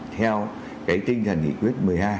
theo cái tinh thần hiệu quyết một mươi hai